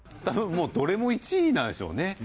もうどれも１位なんでしょうね。